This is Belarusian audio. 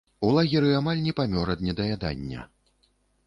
У лагеры амаль не памёр ад недаядання.